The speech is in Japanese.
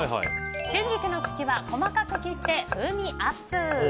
春菊の茎は細かく切って風味アップ！